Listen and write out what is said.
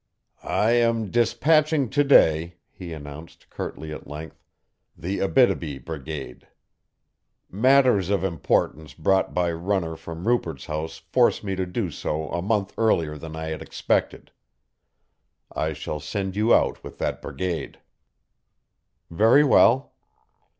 "I am dispatching to day," he announced curtly at length, "the Abítibi brigade. Matters of importance brought by runner from Rupert's House force me to do so a month earlier than I had expected. I shall send you out with that brigade." "Very well."